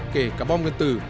kể cả bom nguyên tử